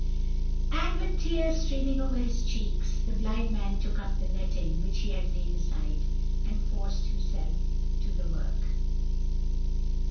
"And, with tears streaming over his cheeks, the blind man took up the netting which he had laid aside, and forced himself to the work.